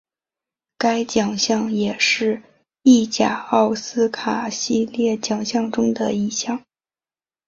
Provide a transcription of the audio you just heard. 该奖项也是意甲奥斯卡系列奖项中的一项。